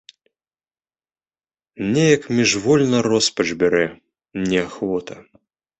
Неяк міжвольна роспач бярэ, неахвота.